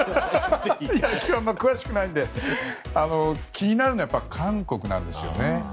野球、あまり詳しくないので気になるのは、やっぱり韓国なんですよね。